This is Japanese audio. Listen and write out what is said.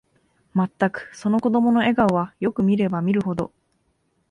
まったく、その子供の笑顔は、よく見れば見るほど、